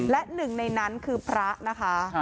และ๑ในนั้นคือพระนะคะ